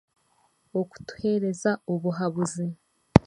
Okutuhereeza obuhabuzi.